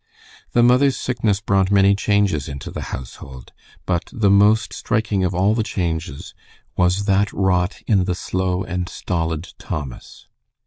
The mother's sickness brought many changes into the household, but the most striking of all the changes was that wrought in the slow and stolid Thomas.